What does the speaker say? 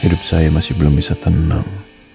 hidup saya masih belum bisa tenang